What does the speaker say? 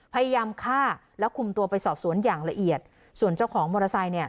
พยายามฆ่าแล้วคุมตัวไปสอบสวนอย่างละเอียดส่วนเจ้าของมอเตอร์ไซค์เนี่ย